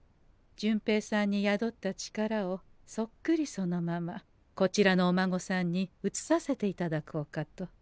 順平さんに宿った力をそっくりそのままこちらのお孫さんにうつさせていただこうかと。